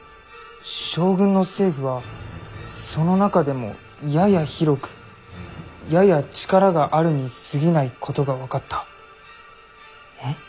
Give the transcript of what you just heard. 「将軍の政府はその中でもやや広くやや力があるにすぎないことが分かった」。